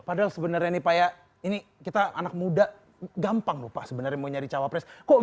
padahal sebenarnya nih pak ya ini kita anak muda gampang lupa sebenarnya mau nyari cawapres kok